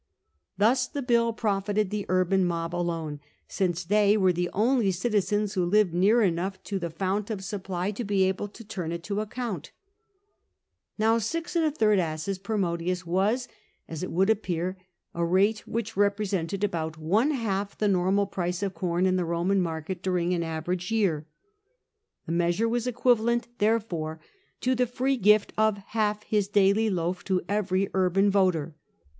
Thus the bill profited the urban mob alone, since they were the only citizens who lived near enough to the fount of supply to be able to turn it to account. Now, asses per modius was, as it would appear, a rate which represented about one half the normal price of corn in the Roman market during an average year. The measure was equivalent, therefore, to the free gift of half his daily loaf to every urban voter.